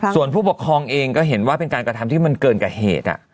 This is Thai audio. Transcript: ส่วนผู้ปกครองเองก็เห็นว่าเป็นการกระทำที่มันเกินกว่าเหตุ